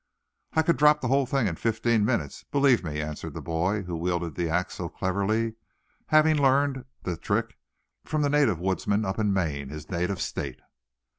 "I could drop the whole thing in fifteen minutes, believe me," answered the boy who wielded the ax so cleverly, having learned the trick from the native woodsmen up in Maine, his native State.